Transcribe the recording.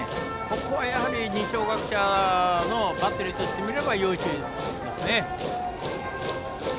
ここはやはり二松学舍のバッテリーとしてみれば要注意ですね。